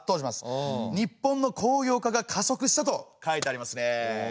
「日本の工業化が加速した」と書いてありますね。